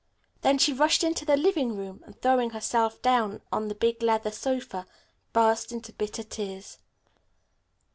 Then she rushed into the living room and, throwing herself down on the big leather sofa, burst into bitter tears.